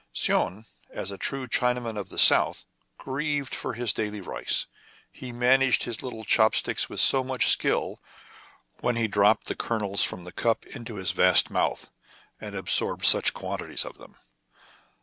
Soun, as a true Chinaman of the south, grieved for his daily rice. He managed his little chop sticks with so much skill when he dropped the kernels from the cup into his vast mouth, and ab sorbed such quantities of them